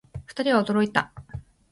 二人は驚いた